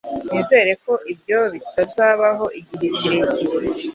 Nizere ko ibyo bitazabaho igihe kirekire.